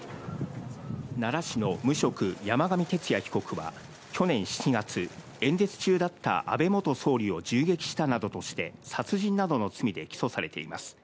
奈良市の無職・山上徹也被告は去年７月、演説中だった安倍元総理を銃撃したなどとして殺人などの罪で起訴されています。